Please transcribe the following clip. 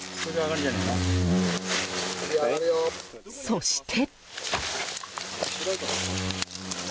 そして。